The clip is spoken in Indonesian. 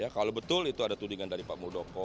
kalau betul itu ada tudingan dari pak muldoko